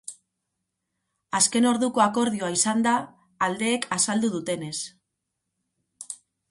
Azken orduko akordioa izan da, aldeek azaldu dutenez.